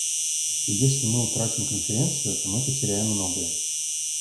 И если мы утратим Конференцию, то мы потеряем многое.